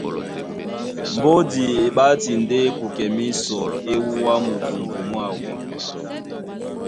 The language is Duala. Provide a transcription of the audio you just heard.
Mbódi e ɓáti ndé kukɛ mísɔ, e wúwa mundumbu mwáō.